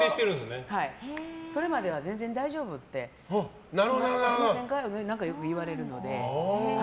それまでは全然大丈夫ってよく言われるので。